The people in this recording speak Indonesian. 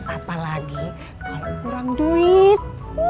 apalagi kalau kurang duit